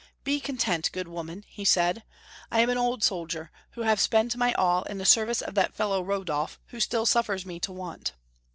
" Be content, good woman," he said, " I am an old soldier, who have spent my all in the service of that fellow Rodolf, who still suffers me to want."